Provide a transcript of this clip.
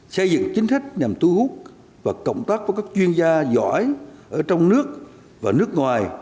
xây dựng chính sách nhằm thu hút và cộng tác với các chuyên gia giỏi ở trong nước và nước ngoài